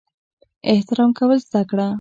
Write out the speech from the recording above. احترام کول زده کړه!